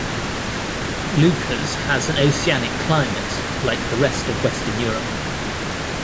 Leuchars has an oceanic climate, like the rest of Western Europe.